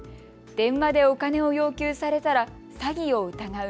電話でお金を要求されたら詐欺を疑う。